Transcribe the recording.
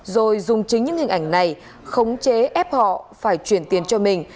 rồi dùng chính những hình ảnh này khống chế ép họ phải chuyển tiền cho mình